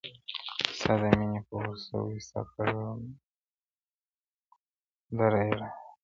o ستا د میني په اور سوی ستا تر دره یم راغلی,